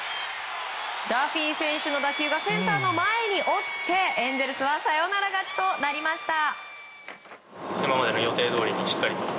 ダフィー選手の打球がセンターの前に落ちてエンゼルスはサヨナラ勝ちとなりました。